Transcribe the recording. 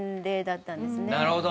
なるほど。